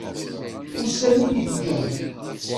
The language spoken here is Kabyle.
Ussan i d-iteddun.